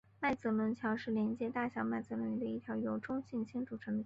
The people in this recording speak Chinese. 麦哲伦桥是连接大小麦哲伦云的一条由中性氢组成的气流。